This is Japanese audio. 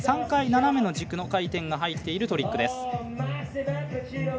３回、斜めの軸の回転が入っているトリックです。